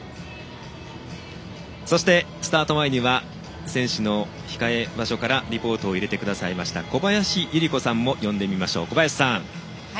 そしてスタート前には選手の控え場所からリポートを入れてくださいました小林祐梨子さんも呼んでみましょう。